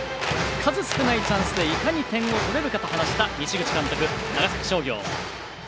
数少ないチャンスでいかに点を取れるかと話した西口監督、長崎商業。